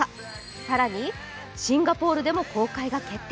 更にシンガポールでも公開が決定。